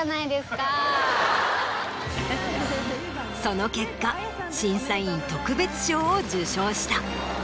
その結果審査員特別賞を受賞した。